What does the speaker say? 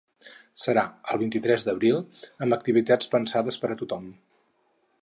Serà el vint-i-tres d’abril, amb activitats pensades per a tothom.